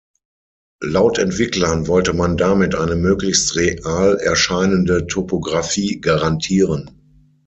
Laut Entwicklern wollte man damit eine möglichst real erscheinende Topografie garantieren.